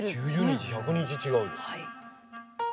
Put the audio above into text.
９０日１００日違うよ。